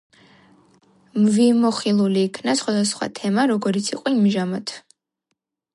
მვიმოხილული იქნა სხვადასხვა თემა, როგორიც იყო იმჟამად